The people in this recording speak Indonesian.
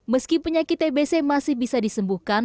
meski penyakit tbc masih bisa disembuhkan